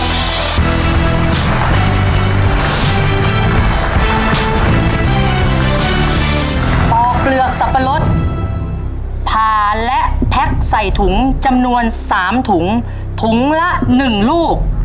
ปอกเปลือกสับปะรดผ่าและแพ็คใส่ถุงจำนวน๓ถุงถุงละ๑ลูก